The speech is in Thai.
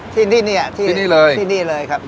ที่นี่เนี่ยที่นี่เลยที่นี่เลยครับ